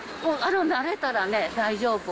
慣れたらね、大丈夫。